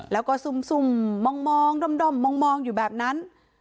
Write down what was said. แล้วก็ซุ่มมองด้อมมองอยู่แบบนั้น